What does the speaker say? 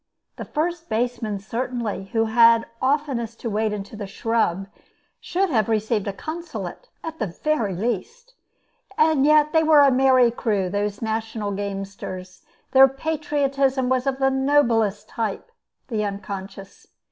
The first baseman certainly, who had oftenest to wade into the scrub, should have received a consulate, at the very least. Yet they were a merry crew, those national gamesters. Their patriotism was of the noblest type, the unconscious.